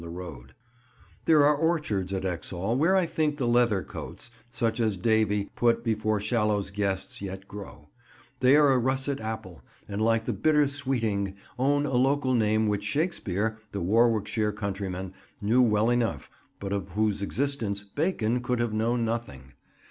[Picture: Brass to Thomas de Cruwe and Wife, Wixford] There are orchards at Exhall where I think the "leather coats" such as Davy put before Shallow's guests yet grow: they are a russet apple, and, like the "bitter sweeting," own a local name which Shakespeare, the Warwickshire countryman, knew well enough, but of whose existence Bacon could have known nothing.